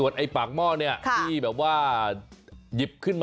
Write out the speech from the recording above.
ชามละ๕๐บาทเอง